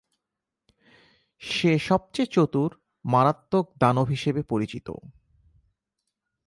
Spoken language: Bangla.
সে সবচেয়ে চতুর, মারাত্মক দানব হিসেবে পরিচিত।